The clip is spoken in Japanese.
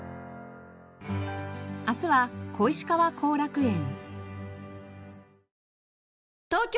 明日は小石川後楽園。